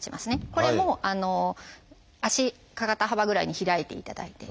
これも足肩幅ぐらいに開いていただいて。